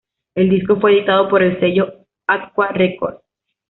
El disco fue editado por el sello "Acqua Records".